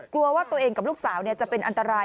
กลัวว่าตัวเองกับลูกสาวจะเป็นอันตราย